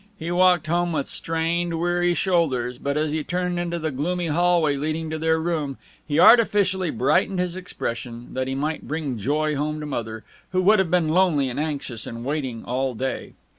He walked home with strained, weary shoulders, but as he turned into the gloomy hallway leading to their room he artificially brightened his expression, that he might bring joy home to Mother, who would have been lonely and anxious and waiting all day.